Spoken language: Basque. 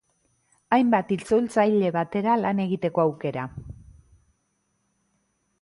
Hainbat itzultzaile batera lan egiteko aukera.